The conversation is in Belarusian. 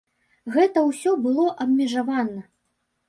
Гэта ўсё было абмежавана.